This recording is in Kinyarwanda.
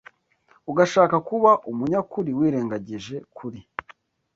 ugashaka kuba umunyakuri wirengagije Kuri